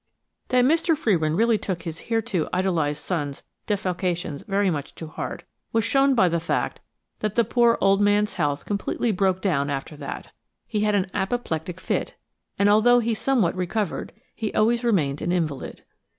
That Mr. Frewin really took his hereto idolised son's defalcations very much to heart was shown by the fact that the poor old man's health completely broke down after that. He had an apoplectic fit, and, although he somewhat recovered, he always remained an invalid.